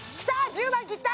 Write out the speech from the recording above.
１０万切った！